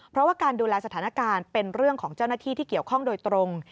เพราะว่าการดูแลสถานการณ์เป็นเรื่องของเจ้าหน้าที่ที่เกี่ยวข้องโดยตรง